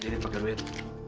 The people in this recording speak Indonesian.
ini pake duit